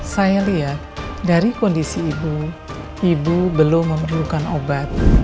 saya lihat dari kondisi ibu ibu belum memerlukan obat